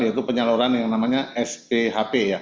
yaitu penyaluran yang namanya sphp ya